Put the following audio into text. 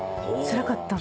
つらかった？